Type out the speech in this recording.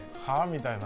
みたいな。